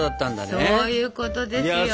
そういうことですよ。